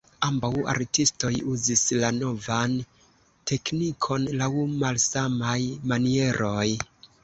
Ambaŭ artistoj uzis la novan teknikon laŭ malsamaj manieroj.